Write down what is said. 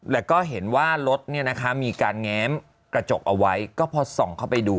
แล้วก็เห็นว่ารถเนี่ยนะคะมีการแง้มกระจกเอาไว้ก็พอส่องเข้าไปดู